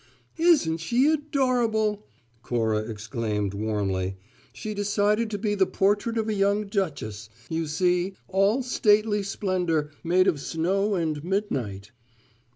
"Isn't she adorable!" Cora exclaimed warmly. "She decided to be the portrait of a young duchess, you see, all stately splendour made of snow and midnight!"